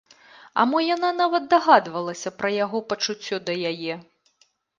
А мо яна нават дагадвалася пра яго пачуццё да яе?